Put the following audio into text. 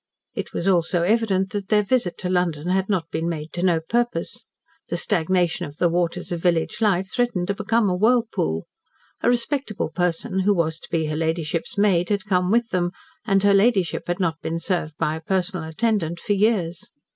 It was also evident that their visit to London had not been made to no purpose. The stagnation of the waters of village life threatened to become a whirlpool. A respectable person, who was to be her ladyship's maid, had come with them, and her ladyship had not been served by a personal attendant for years.